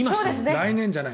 来年じゃない。